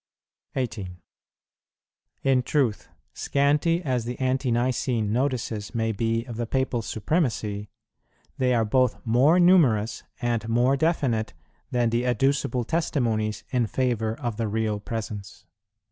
18. In truth, scanty as the Ante nicene notices may be of the Papal Supremacy, they are both more numerous and more definite than the adducible testimonies in favour of the Real Presence.